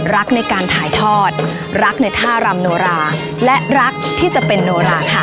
รักในการถ่ายทอดรักในท่ารำโนราและรักที่จะเป็นโนราค่ะ